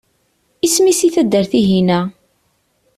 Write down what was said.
Isem-is i taddart-ihina?